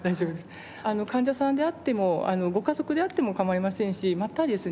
患者さんであってもご家族であっても構いませんしまたですね